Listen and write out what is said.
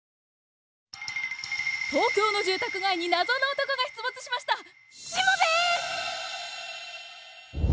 東京の住宅街に謎の男が出没しました！